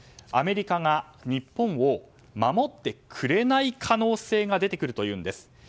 アメリカが日本を守ってくれない可能性が出てくるというんです。